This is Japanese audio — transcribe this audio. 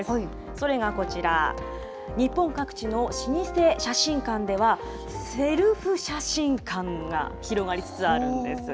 それがこちら、日本各地の老舗写真館では、セルフ写真館が広がりつつあるんです。